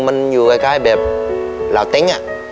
มันอยู่คล้ายแบบเหล่าเต็ง